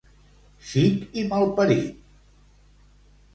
Xic i malparit.